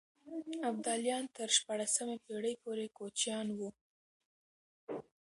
ابداليان تر شپاړسمې پېړۍ پورې کوچيان وو.